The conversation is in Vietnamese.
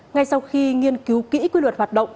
ngay sau khi nghiên cứu kỹ quy luật hoạt động